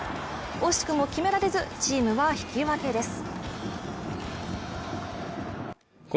惜しくも決められずチームは引き分けです。